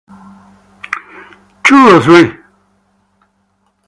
Two or three.